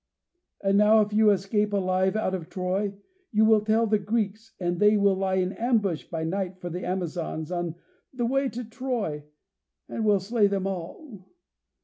And now if you escape alive out of Troy, you will tell the Greeks, and they will lie in ambush by night for the Amazons on the way to Troy and will slay them all.